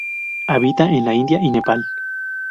Habita en la India y Nepal.